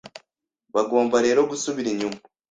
Bagomba rero gusubira inyuma